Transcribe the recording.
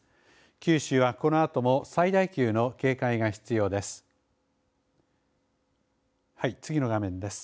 九州はこのあとも最大級の警戒が必要です。